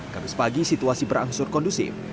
kamis pagi situasi berangsur kondusif